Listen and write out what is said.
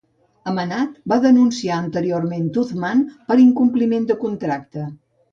Amanat va denunciar anteriorment Tuzman per incompliment de contracte.